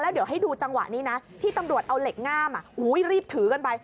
เดี๋ยวให้ดูจังหวะนี้นะที่ตำรวจเอาเหล็กง่ามรีบถือกันไป